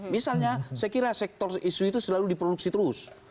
misalnya saya kira sektor isu itu selalu diproduksi terus